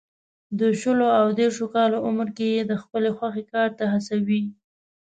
د شلو او دېرشو کالو عمر کې یې د خپلې خوښې کار ته هڅوي.